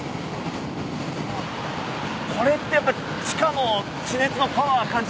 これってやっぱり地下の地熱のパワー感じますね。